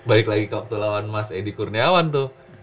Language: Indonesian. balik lagi ke waktu lawan mas edi kurniawan tuh